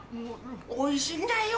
おいしいんだよ。